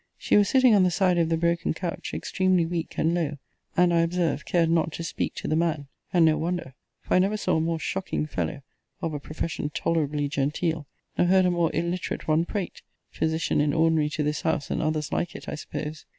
She was sitting on the side of the broken couch, extremely weak and low; and, I observed, cared not to speak to the man: and no wonder; for I never saw a more shocking fellow, of a profession tolerably genteel, nor heard a more illiterate one prate physician in ordinary to this house, and others like it, I suppose!